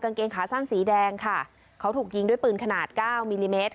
เกงขาสั้นสีแดงค่ะเขาถูกยิงด้วยปืนขนาดเก้ามิลลิเมตร